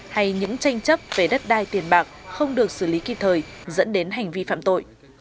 hay những tranh chấp về đất đai tiền bạc không được xử lý kịp thời dẫn đến hành vi phạm tội